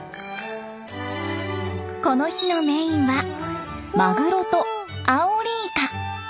この日のメインはマグロとアオリイカ。